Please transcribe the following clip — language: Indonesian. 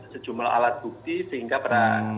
sejumlah alat bukti sehingga peran